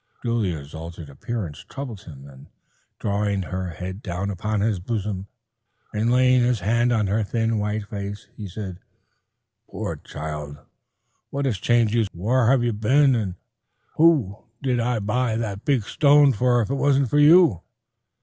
Julia's altered appearance troubled him, and drawing her head down upon his bosom, and laying his hand on her thin, white face, he said, "Poor child, what has changed you so, and whar have you been; and who did I buy that big stun for if 'twasn't for you?"